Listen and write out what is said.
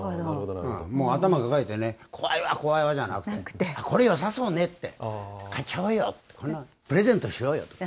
もう頭抱えてね、怖いわ、怖いわじゃなくて、これよさそうねって、買っちゃおうよって、こんなプレゼントしようよ。